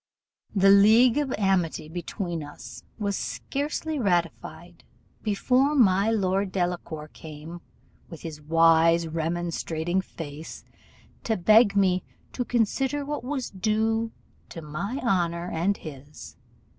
The league of amity between us was scarcely ratified before my Lord Delacour came, with his wise remonstrating face, to beg me 'to consider what was due to my own honour and his.